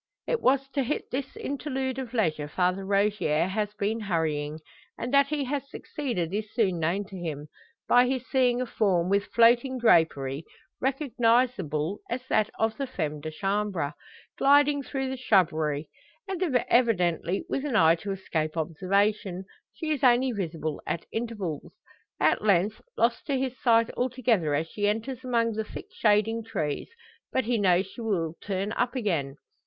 It was to hit this interlude of leisure Father Rogier has been hurrying; and that he has succeeded is soon known to him, by his seeing a form with floating drapery, recognisable as that of the femme de chambre. Gliding through the shrubbery, and evidently with an eye to escape observation, she is only visible at intervals; at length lost to his sight altogether as she enters among the thick standing trees. But he knows she will turn up again.